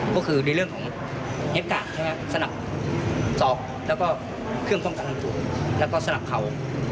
ก็คือในเรื่องของเฮ็บตาสนับสอบแล้วก็เครื่องกล้องกันแล้วก็สนับเข่า